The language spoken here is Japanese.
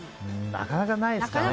なかなかないですからね。